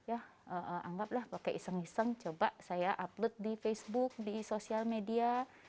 ya anggaplah pakai iseng iseng coba saya upload di facebook di sosial media